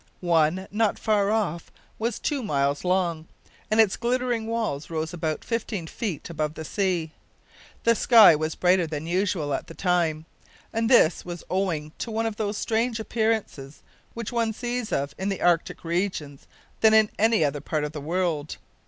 One, not far off, was two miles long, and its glittering walls rose about fifteen feet above the sea. The sky was brighter than usual at the time. This was owing to one of those strange appearances which one sees more of in the Arctic regions than in any other part of the world.